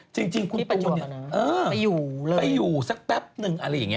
จริงคุณเป็นคนไปอยู่สักแป๊บนึงอะไรอย่างนี้